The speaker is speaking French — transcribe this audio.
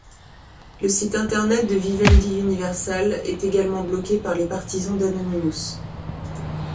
Le site Internet de Vivendi Universal est également bloqué par les partisans d'Anonymous.